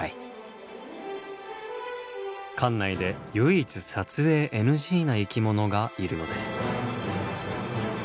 館内で唯一撮影ＮＧな生き物がいるのです。